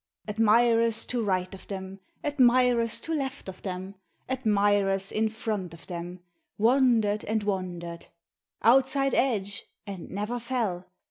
Admirers to right of them. Admirers to left of ihem. Admirers in front of them, Wonder'd and wonder'd. " Outside edge," and never fell.